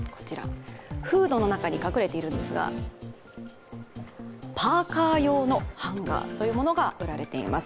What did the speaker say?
フードの中に隠れているんですが、パーカー用のハンガーというものが売られています。